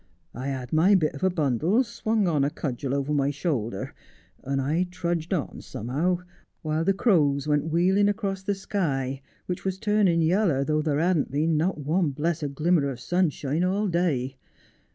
I had my bit of a bundle swung on a cudgel over my shoulder, and I trudged on somehow, while the crows went wheeling across the sky, which was turning yaller, though there hadn't been not one blessed glimmer of sunshine all day.